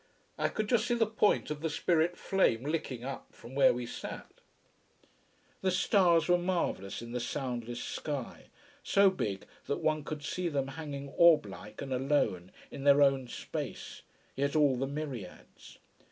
I could just see the point of the spirit flame licking up, from where we sat. The stars were marvellous in the soundless sky, so big, that one could see them hanging orb like and alone in their own space, yet all the myriads.